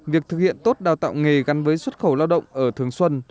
việc thực hiện tốt đào tạo nghề gắn với xuất khẩu lao động ở thường xuân